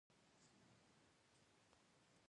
د میوو مربا او جیلی جوړیږي.